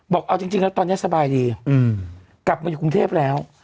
เอาจริงแล้วตอนนี้สบายดีกลับมาอยู่กรุงเทพแล้ว